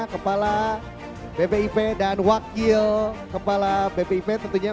kepala bpip dan wakil kepala bpip tentunya